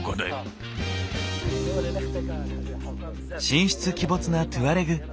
神出鬼没なトゥアレグ。